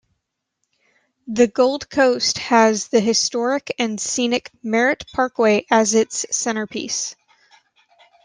The Gold Coast has the historic and scenic Merritt Parkway as its centerpiece.